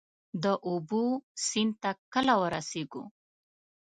د اوبو، سیند ته کله ورسیږو؟